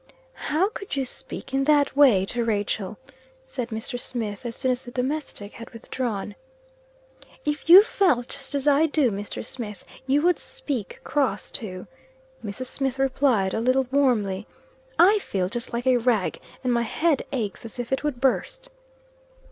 "How could you speak in that way to Rachel?" said Mr. Smith, as soon as the domestic had withdrawn. "If you felt just as I do, Mr. Smith, you would speak cross, too!" Mrs. Smith replied a little warmly "I feel just like a rag; and my head aches as if it would burst."